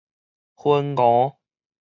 燻梧